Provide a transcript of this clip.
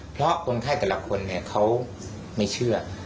เพราะคนไข้แต่ละคนเขาไม่เชื่อ